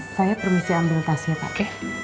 saya permisi ambil tasnya pak